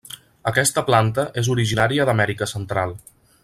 Aquesta planta és originària d'Amèrica Central.